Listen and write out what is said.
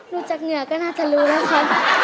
ดูจากเหงื่อก็น่าจะรู้แล้วค่ะ